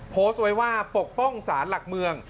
โพสต์ไว้ว่าปกป้องสารหลักเมือง